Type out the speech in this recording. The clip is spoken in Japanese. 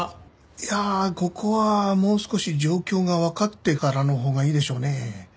いやあここはもう少し状況がわかってからのほうがいいでしょうね。